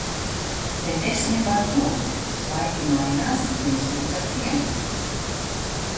Bet es ne par to. Laiki mainās, mēs līdz ar tiem.